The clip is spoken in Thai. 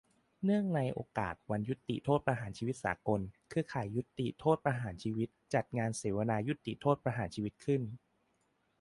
เนื่องในโอกาสวันยุติโทษประหารชีวิตสากล เครือข่ายยุติโทษประหารชีวิต จัดงานเสวนายุติโทษประหารชีวิตขึ้น